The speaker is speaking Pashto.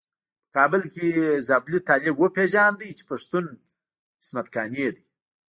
په کابل کې زابلي طالب وپيژانده چې پښتون عصمت قانع دی.